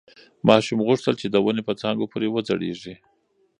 ماشوم غوښتل چې د ونې په څانګو پورې وځړېږي.